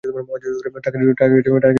টার্গেটের কী হয়েছিল, সিক্স?